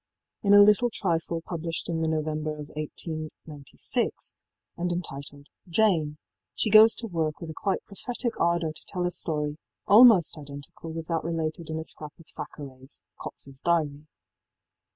In a little trifle published in the November of 1896, and entitled ëJane,í she goes to work with a quite prophetic ardour to tell a story almost identical with that related in a scrap of Thackerayís ëCoxís Diary.